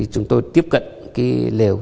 chúng tôi tiếp cận cái lều